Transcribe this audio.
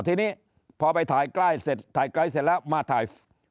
ทีนี้พอไปถ่ายใกล้เสร็จถ่ายใกล้เสร็จแล้วมาถ่าย